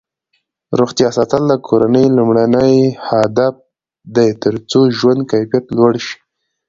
روغتیا ساتل د کورنۍ لومړنی هدف دی ترڅو ژوند کیفیت لوړ پاتې شي.